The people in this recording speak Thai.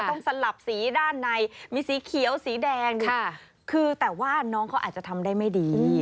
สลับสีด้านในมีสีเขียวสีแดงดูคือแต่ว่าน้องเขาอาจจะทำได้ไม่ดี